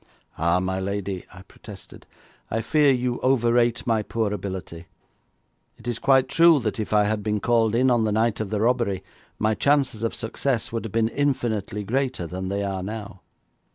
"' 'Ah, my lady,' I protested, 'I fear you overrate my poor ability. It is quite true that if I had been called in on the night of the robbery, my chances of success would have been infinitely greater than they are now.'